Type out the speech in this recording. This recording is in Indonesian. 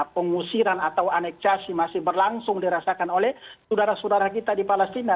pengusiran atau aneksasi masih berlangsung dirasakan oleh saudara saudara kita di palestina